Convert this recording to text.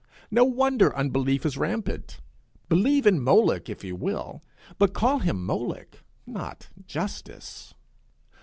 No wonder unbelief is rampant. Believe in Moloch if you will, but call him Moloch, not Justice.